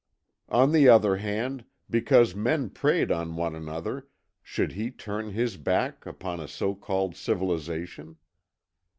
On the other hand, because men preyed on one another, should he turn his back upon a so called civilization?